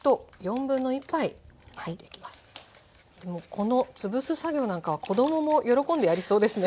この潰す作業なんかは子供も喜んでやりそうですね。